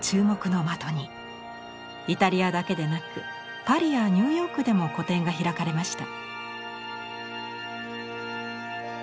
イタリアだけでなくパリやニューヨークでも個展が開かれました。